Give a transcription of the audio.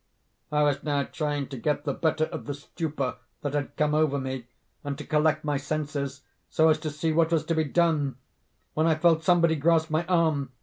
I was now trying to get the better of the stupor that had come over me, and to collect my senses so as to see what was to be done, when I felt somebody grasp my arm.